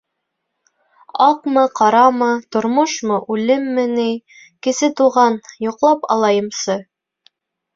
— Аҡмы, ҡарамы, тормошмо, үлемме... ней, Кесе Туған, йоҡлап алайымсы.